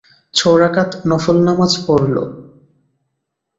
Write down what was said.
ছ রাকাত নফল নামাজ পড়ল।